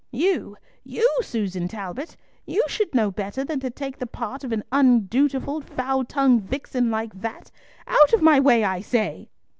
"You, you, Susan Talbot! You should know better than to take the part of an undutiful, foul tongued vixen like that. Out of my way, I say!"